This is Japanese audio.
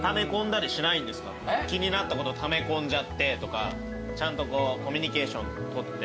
気になったことため込んじゃってとかちゃんとこうコミュニケーション取って。